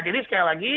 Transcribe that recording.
jadi sekali lagi